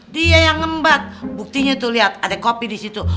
dia yang ngembat buktinya tuh liat ada kopi disitu